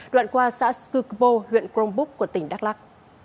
đoạn qua xã skukpo huyện krongbuk của tỉnh đắk lắc